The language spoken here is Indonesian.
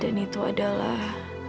dan itu adalah